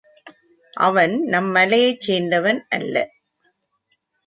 அவன் நம் மலையைச் சேர்ந்தவன் அல்ல.